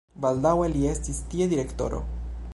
Baldaŭe li estis tie direktoro.